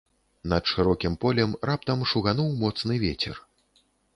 Над шырокім полем раптам шугануў моцны вецер.